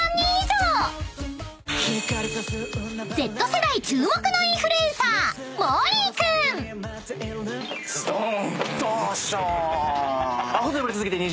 ［Ｚ世代注目のインフルエンサー］